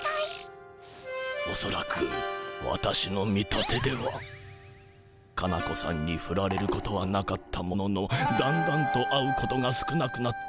おそらく私の見立てではカナ子さんにフラれることはなかったもののだんだんと会うことが少なくなった電ボさん。